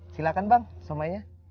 silahkan bang somainya